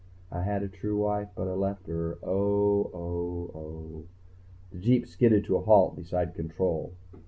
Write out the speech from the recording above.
I had a true wife but I left her ... oh, oh, oh. The jeep skidded to a halt beside Control.